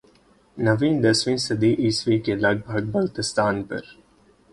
نویں دسویں صدی عیسوی کے لگ بھگ بلتستان پر